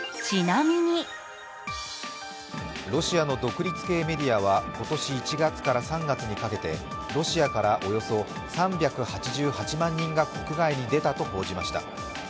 ロシアの独立系メディアは今年１月から３月にかけてロシアから、およそ３８８万人が国外に出たと報じました。